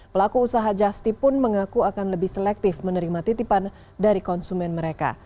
pelaku usaha just tip pun mengaku akan lebih selektif menerima titipan dari konsumen mereka